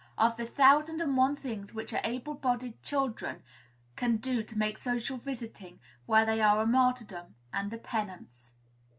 of the thousand and one things which able bodied children can do to make social visiting where they are a martyrdom and a penance.